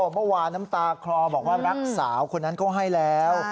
เมื่อวานน้ำตาคลอบอกว่ารักสาวคนนั้นเขาให้แล้ว